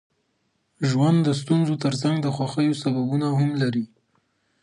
ژوند د ستونزو ترڅنګ د خوښۍ سببونه هم لري.